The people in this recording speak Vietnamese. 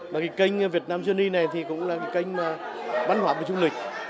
và cái kênh việt nam journey này thì cũng là cái kênh văn hóa của trung lịch